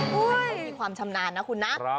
งูตัวมีความชำนาญนะคุณนะ